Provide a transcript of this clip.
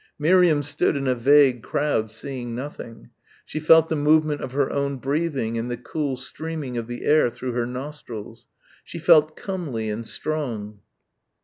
Miriam stood in a vague crowd seeing nothing. She felt the movement of her own breathing and the cool streaming of the air through her nostrils. She felt comely and strong.